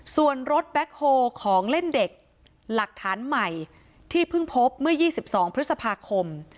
ส่วนรถแบ็คโฮลของเล่นเด็กหลักฐานใหม่ที่เพิ่งพบเมื่อ๒๒พฤษภาคม